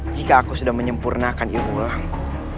jika aku sudah menyempurnakan ilmu ulang